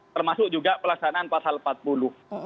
termasuk juga pelaksanaan pasal empat puluh